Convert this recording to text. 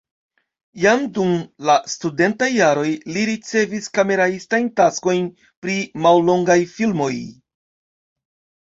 Jam dum la studentaj jaroj li ricevis kameraistajn taskojn pri mallongaj filmoj.